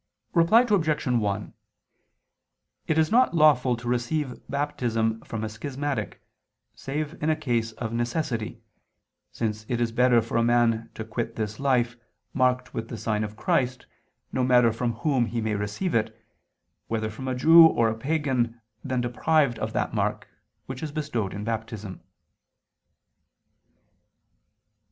Reply Obj. 1: It is not lawful to receive Baptism from a schismatic, save in a case of necessity, since it is better for a man to quit this life, marked with the sign of Christ, no matter from whom he may receive it, whether from a Jew or a pagan, than deprived of that mark, which is bestowed in Baptism.